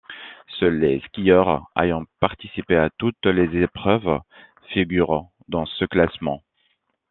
Seuls les skieurs ayant participé à toutes les épreuves figurent dans ce classement.